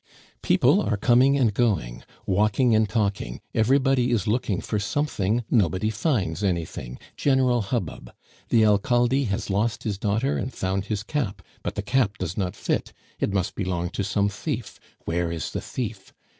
People are coming and going, walking and talking, everybody is looking for something, nobody finds anything. General hubbub. The Alcalde has lost his daughter and found his cap, but the cap does not fit; it must belong to some thief. Where is the thief?